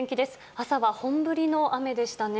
朝は本降りの雨でしたね。